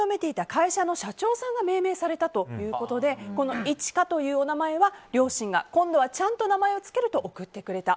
会社の社長さんが命名されたということでこの一華というお名前は両親が、今度はちゃんと名前を付けると送ってくれた。